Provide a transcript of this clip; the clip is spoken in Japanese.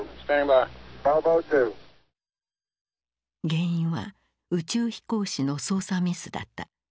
原因は宇宙飛行士の操作ミスだった。